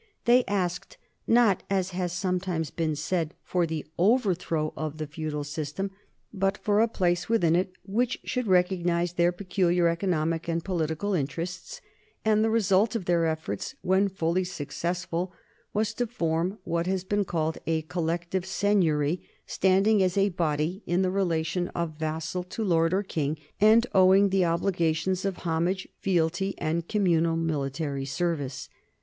They asked, not, as has sometimes been said, for the overthrow of the feudal system, but for a place within it which should recognize their peculiar economic and political interests; and the result of their efforts, when fully successful, was to form what has been called a col lective seigniory, standing as a body in the relation of vassal to lord or king, and owing the obligations of hom age, fealty, and communal military service.